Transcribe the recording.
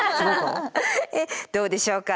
どうでしょうか。